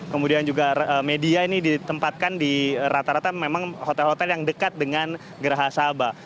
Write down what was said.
kemudian juga media ini ditempatkan di rata rata memang hotel hotel yang dekat dengan geraha sabah